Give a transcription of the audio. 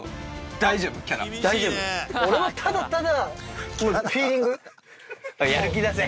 俺はただただ。